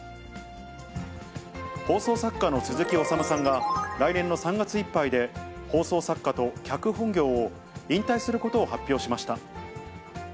放送作家の鈴木おさむさんが、来年の３月いっぱいで、放送作家と脚本業を引退することを発表しました。